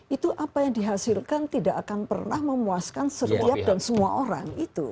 itu apa yang dihasilkan tidak akan pernah memuaskan setiap dan semua orang